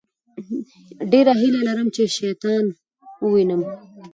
ډېره هیله لرم چې شیطان ووينم.